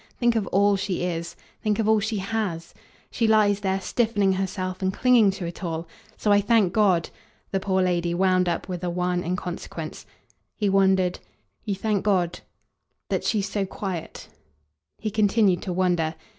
Think of all she is. Think of all she HAS. She lies there stiffening herself and clinging to it all. So I thank God !" the poor lady wound up with a wan inconsequence. He wondered. "You thank God ?" "That she's so quiet." He continued to wonder.